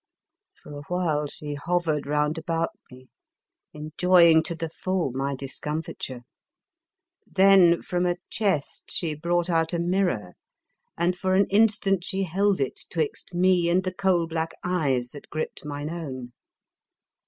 For awhile she hovered round about me, enjoying to the full my discomfiture; then, from a chest, she brought out a mirror, and for an instant she held it 'twixt me and the coal black eyes that gripped mine own.